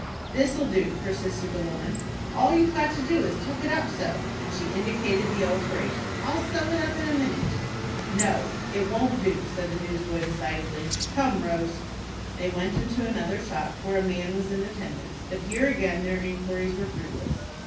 "This'll do," persisted the woman. "All you've got to do is to tuck it up so;" and she indicated the alteration. "I'll sew it up in a minute." "No, it won't do," said the newsboy, decidedly. "Come, Rose." They went into another shop, where a man was in attendance; but here again their inquiries were fruitless.